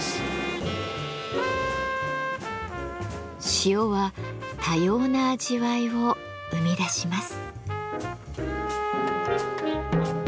塩は多様な味わいを生み出します。